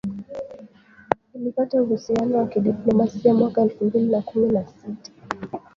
ilikata uhusiano wa kidiplomasia mwaka elfu mbili na kumi na sita